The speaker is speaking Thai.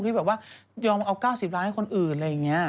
ที่แบบว่ายอมเอา๙๐ล้านให้คนอื่นอะไรอย่างนี้